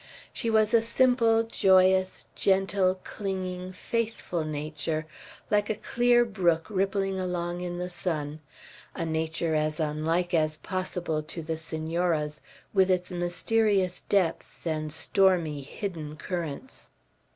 She was a simple, joyous, gentle, clinging, faithful nature, like a clear brook rippling along in the sun, a nature as unlike as possible to the Senora's, with its mysterious depths and stormy, hidden currents.